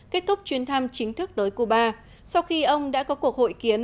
kết thúc chuyến thăm chính thức tới cuba sau khi ông đã có cuộc hội kiến